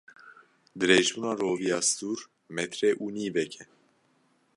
Dirêjbûna roviya stûr metre û nîvek e.